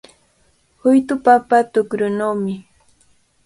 Huytu papa tukrunawmi.